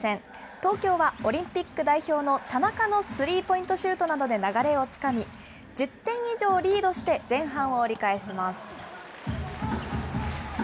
東京はオリンピック代表の田中のスリーポイントシュートなどで流れをつかみ、１０点以上リードして前半を折り返します。